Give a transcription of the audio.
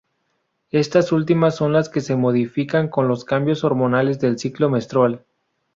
Estas últimas son las que se modifican con los cambios hormonales del ciclo menstrual.